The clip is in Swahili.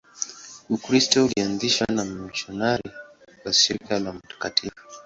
Ukristo ulianzishwa na wamisionari wa Shirika la Mt.